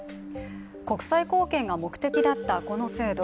国際貢献が目的だったこの制度。